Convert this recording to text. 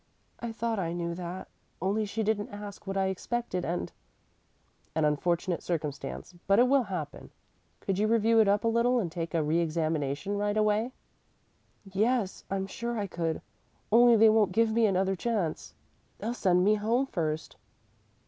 "I thought I knew that, only she didn't ask what I expected and " "An unfortunate circumstance, but it will happen. Could you review it up a little and take a reëxamination right away?" "Yes; I'm sure I could, only they won't give me another chance. They'll send me home first."